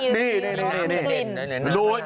มีกระเด็น